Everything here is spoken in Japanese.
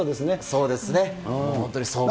そうですね。